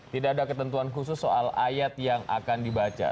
tidak ada ketentuan khusus soal ayat yang akan dibaca